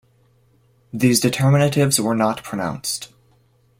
These determinatives were not pronounced.